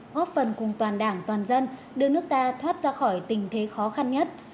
góp phần cùng toàn đảng toàn dân đưa nước ta thoát ra khỏi tình thế khó khăn nhất